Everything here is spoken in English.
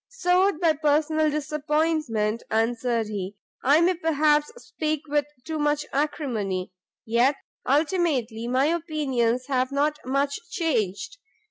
"Soured by personal disappointment," answered he, "I may perhaps speak with too much acrimony; yet, ultimately, my opinions have not much changed.